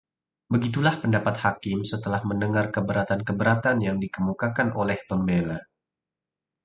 begitulah pendapat hakim setelah mendengar keberatan-keberatan yang dikemukakan oleh pembela